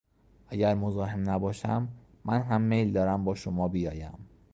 اگر مزاحم نباشم، من هم میل دارم با شما بیایم.